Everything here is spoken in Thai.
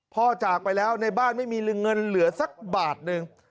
จากไปแล้วในบ้านไม่มีเงินเหลือสักบาทหนึ่ง